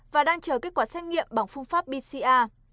và đang chờ kết quả xét nghiệm bằng phương pháp bca